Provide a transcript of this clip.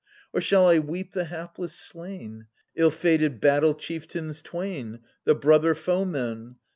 Or shall I weep the hapless slain, Ill fated battle chieftains twain. The brother foemen.